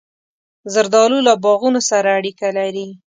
زردالو له باغونو سره اړیکه لري.